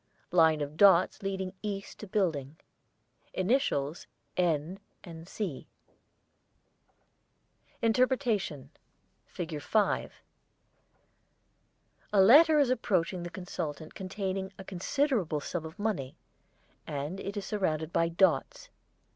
Line of dots leading east to Building. Initials 'N' and 'C.' INTERPRETATION FIG.5 A letter is approaching the consultant containing a considerable sum of money, as it is surrounded by dots.